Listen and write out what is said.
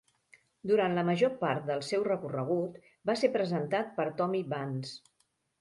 Durant la major part del seu recorregut, va ser presentat per Tommy Vance.